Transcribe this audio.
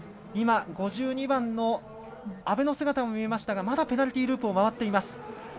今、５２番の阿部の姿も見えましたがまだペナルティーループを回っています。